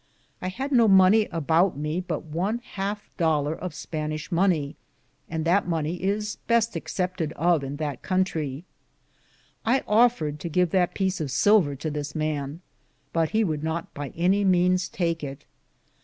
I had no mony aboute me but one halfe Dolor of Spanyshe mony, and that mony is best accepted of in that countrie. I offered to give that peece of silver to this man, but he would not by any means take it.